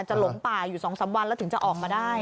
หลงป่าอยู่๒๓วันแล้วถึงจะออกมาได้